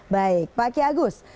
baik pak ki agus